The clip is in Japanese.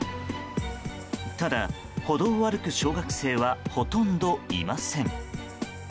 ただ、歩道を歩く小学生はほとんどいません。